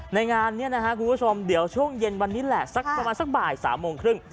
งานนี้นะครับคุณผู้ชมเดี๋ยวช่วงเย็นวันนี้แหละสักประมาณสักบ่าย๓โมงครึ่ง